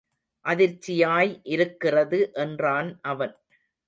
அதிர்ச்சியாய் இருக்கிறது என்றான் அவன்.